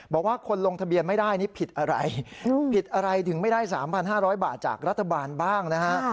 บอกว่าคนลงทะเบียนไม่ได้นี่ผิดอะไรผิดอะไรถึงไม่ได้๓๕๐๐บาทจากรัฐบาลบ้างนะฮะ